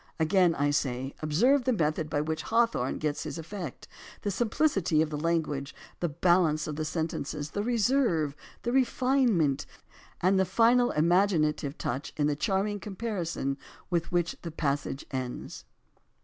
Again I say, observe the method by which Hawthorne gets his effect, the sim plicity of the language, the balance of the sentences, 244 AS TO ANTHOLOGIES the reserve, the refinement; and the final imaginative touch in the charming comparison with which the pas sage ends.